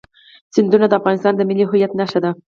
سیندونه د افغانستان د ملي هویت نښه ده.